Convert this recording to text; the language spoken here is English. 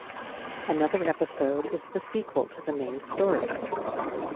Another episode is the sequel to the main story.